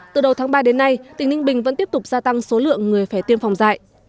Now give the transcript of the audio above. từ đầu tháng ba đến nay tỉnh ninh bình vẫn tiếp tục gia tăng số lượng người phải tiêm phòng dạy